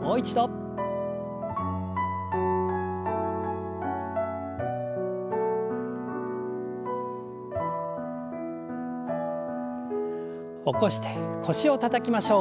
もう一度。起こして腰をたたきましょう。